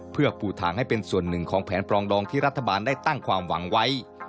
เพื่อปูทางให้เป็นส่วนหนึ่งของแผนปรองดองที่รัฐบาลได้ตั้งความหวังไว้